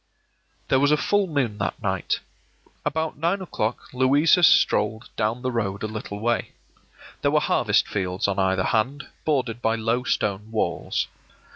There was a full moon that night. About nine o'clock Louisa strolled down the road a little way. There were harvest fields on either hand, bordered by low stone walls.